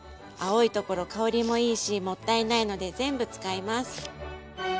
青いところ香りもいいしもったいないので全部使います。